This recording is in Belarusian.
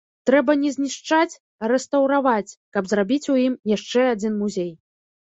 Трэба не знішчаць, а рэстаўраваць, каб зрабіць у ім яшчэ адзін музей.